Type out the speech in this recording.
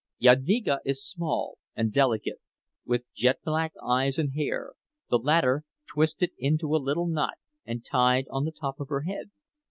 Jadvyga is small and delicate, with jet black eyes and hair, the latter twisted into a little knot and tied on the top of her head.